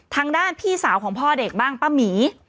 ทางด้านพี่สาวของพ่อเด็กบ้างป้าหมี